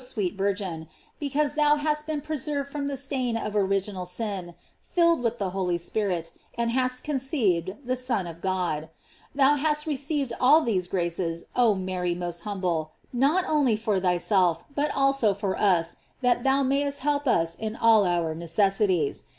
327 sweet Virgin, because thou hast been preserved from the stain of original sin, filled with the Holy Spirit, and hast conceited the Son of God. Thou hast received all these graces, oh Mary most humble, not only for thyself, but also for us, that thou mayest help us in all our ne^ cessities.